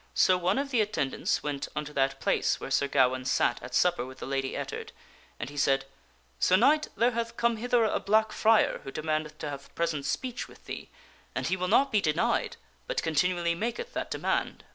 So one of the attendants went unto that place where Sir Gawaine sat at supper with the Lady Ettard, and he said, " Sir Knight, there hath come hither a black friar who demandeth to have present speech with thee, and he will not be denied, but continually maketh that demand."